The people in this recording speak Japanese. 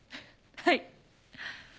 はい。